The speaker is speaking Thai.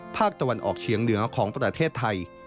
ภาคตะวันออกเฉียงเหนือของประเทศไทย